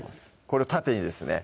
これを縦にですね